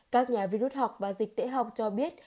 các nhà vi rút học và dịch tễ học cho biết